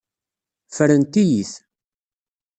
Ffrent-iyi-t.